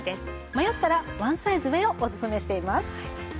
迷ったら１サイズ上をおすすめしています。